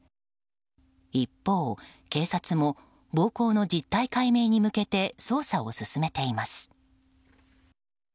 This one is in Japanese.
一方、警察も暴行の実態解明に向けて捜査を進めています。